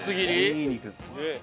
いい肉！